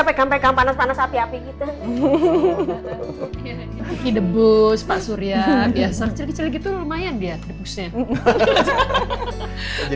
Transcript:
pegang pegang panas panas api api gitu hehehe the bus pak surya biasa kecil kecil gitu lumayan